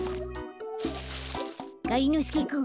がりのすけくん